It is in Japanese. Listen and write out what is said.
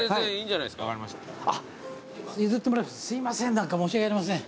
何か申し訳ありません。